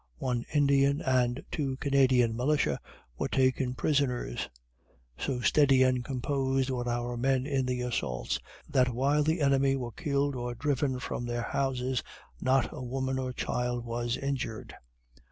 One Indian and two Canadian militia were taken prisoners. So steady and composed were our men in the assaults, that while the enemy were killed or driven from their houses, not a woman or child was injured.